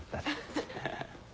ハハハ。